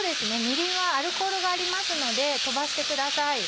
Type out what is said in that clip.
みりんはアルコールがありますので飛ばしてください。